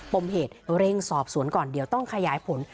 ปมเหตุเร่งสอบสวนก่อนเดี๋ยวต้องขยายผล